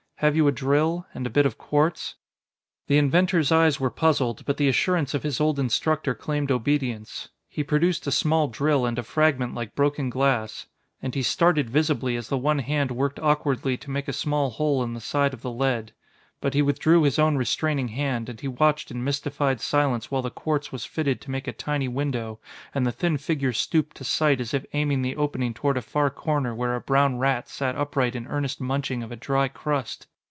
Have you a drill? And a bit of quartz?" The inventor's eyes were puzzled, but the assurance of his old instructor claimed obedience. He produced a small drill and a fragment like broken glass. And he started visibly as the one hand worked awkwardly to make a small hole in the side of the lead. But he withdrew his own restraining hand, and he watched in mystified silence while the quartz was fitted to make a tiny window and the thin figure stooped to sight as if aiming the opening toward a far corner where a brown rat sat upright in earnest munching of a dry crust.